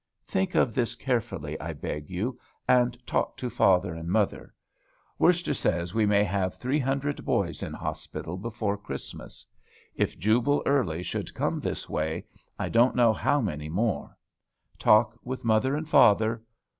Think of this carefully, I beg you, and talk to father and mother. Worster says we may have three hundred boys in hospital before Christmas. If Jubal Early should come this way, I don't know how many more. Talk with mother and father.